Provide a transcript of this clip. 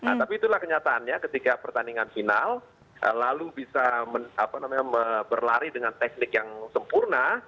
nah tapi itulah kenyataannya ketika pertandingan final lalu bisa berlari dengan teknik yang sempurna